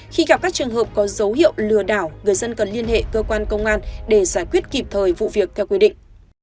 khi gặp các trường hợp có dấu hiệu lừa đảo người dân cần liên hệ cơ quan công an để giải quyết kịp thời vụ việc theo quy định